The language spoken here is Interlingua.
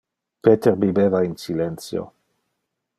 Peter bibeva in silentio.